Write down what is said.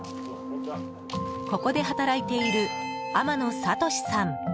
ここで働いている、天野巧さん。